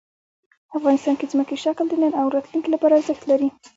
افغانستان کې ځمکنی شکل د نن او راتلونکي لپاره ارزښت لري.